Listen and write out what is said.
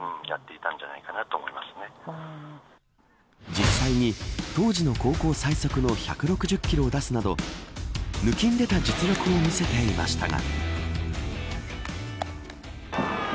実際に当時の高校最速の１６０キロを出すなど抜きん出た実力を見せていましたが。